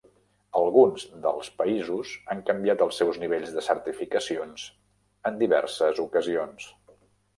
Alguns dels països han canviat els seus nivells de certificacions en diverses ocasions.